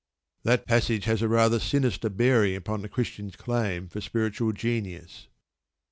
That passage has a rather sinister bearing upon the Christian's claim for spiritual genius.